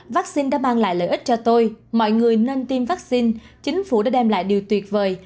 vắc xin đã mang lại lợi ích cho tôi mọi người nên tiêm vắc xin chính phủ đã đem lại điều tuyệt vời